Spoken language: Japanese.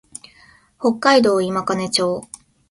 北海道今金町